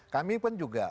kami pun juga